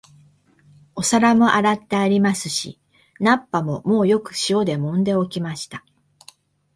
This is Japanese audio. お皿も洗ってありますし、菜っ葉ももうよく塩でもんで置きました